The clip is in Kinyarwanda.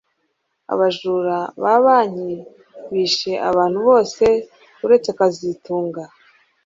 Abajura ba banki bishe abantu bose uretse kazitunga